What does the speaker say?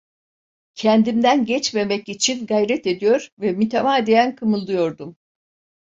Kendimden geçmemek için gayret ediyor ve mütemadiyen kımıldıyordum.